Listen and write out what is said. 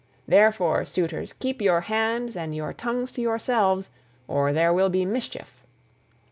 Therefore, suitors, keep your hands and your tongues to yourselves, or there will be mischief."